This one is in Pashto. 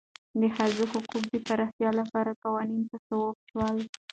د ښځو حقوقو د پراختیا لپاره قوانین تصویب شول.